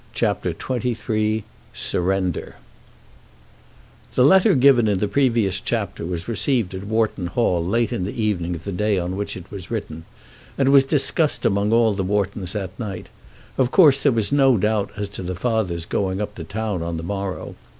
CHAPTER XXIII Surrender The letter given in the previous chapter was received at Wharton Hall late in the evening of the day on which it was written, and was discussed among all the Whartons that night. Of course there was no doubt as to the father's going up to town on the morrow.